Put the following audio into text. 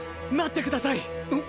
待ってください！